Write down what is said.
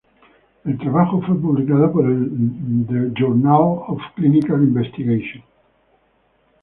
El trabajo fue publicado por el The Journal of Clinical Investigation.